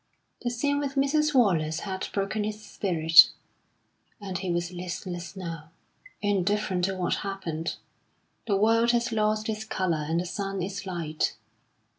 The scene with Mrs. Wallace had broken his spirit, and he was listless now, indifferent to what happened; the world had lost its colour and the sun its light.